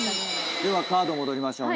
ではカード戻りましょう。